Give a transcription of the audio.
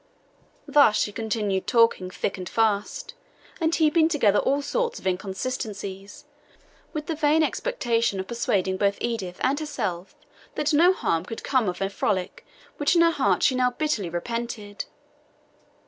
Thus she continued talking thick and fast, and heaping together all sorts of inconsistencies, with the vain expectation of persuading both Edith and herself that no harm could come of a frolic which in her heart she now bitterly repented.